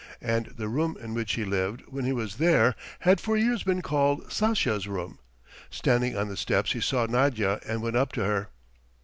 And the room in which he lived when he was there had for years been called Sasha's room. Standing on the steps he saw Nadya, and went up to her.